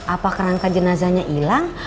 apa kerangka jenazahnya ilang